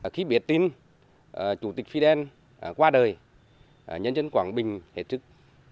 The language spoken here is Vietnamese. khi biết tin chủ tịch fidel qua đời nhân dân quảng bình hệ trực